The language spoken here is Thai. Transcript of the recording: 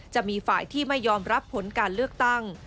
จะมีฝ่ายที่ไม่ยอมรับผลการเลือกตั้ง